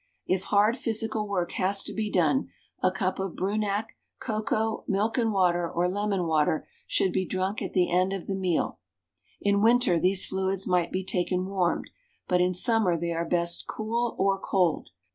If hard physical work has to be done, a cup of Brunak, cocoa, milk and water, or lemon water, should be drunk at the end of the meal. In winter these fluids might be taken warmed, but in summer they are best cool or cold.